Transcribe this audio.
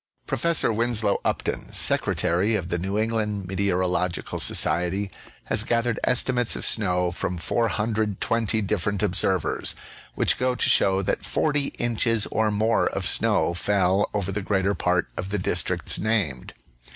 Professor Winslow Upton, Secretary of the New England Meteorological Society, has gathered estimates of snow from 420' The Great Storm of March 11 U, 1888. 39 different observers, which go to show that 40 inches or more of snow fell over the greater part of the districts named.